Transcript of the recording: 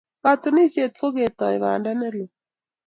Katunisyet ko ketoi banda ne lo.